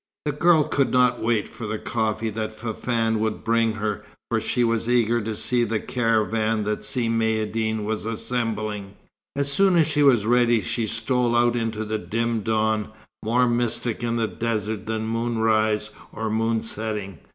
The girl could not wait for the coffee that Fafann would bring her, for she was eager to see the caravan that Si Maïeddine was assembling. As soon as she was ready she stole out into the dim dawn, more mystic in the desert than moon rise or moon setting.